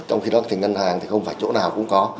trong khi đó thì ngân hàng thì không phải chỗ nào cũng có